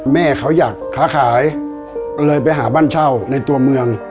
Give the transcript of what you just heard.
แม่เขาอยากค้าขายเลยไปหาบ้านเช่าในตัวเมือง